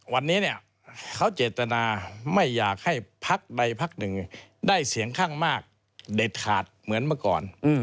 วันนี้เนี่ยเขาเจตนาไม่อยากให้พักใดพักหนึ่งได้เสียงข้างมากเด็ดขาดเหมือนเมื่อก่อน